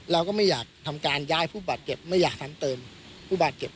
เราก็ไม่อยากทำการย้ายผู้บาดเจ็บไม่อยากซ้ำเติมผู้บาดเจ็บ